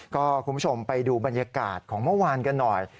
ก็คุณผู้ชมไปดูบรรยากาศของเมื่อวานกันหน่อย